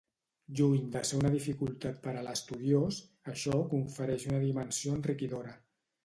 Lluny de ser una dificultat per a l’estudiós, això confereix una dimensió enriquidora.